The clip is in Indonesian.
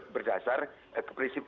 berdasar prinsip kemerdekaan pers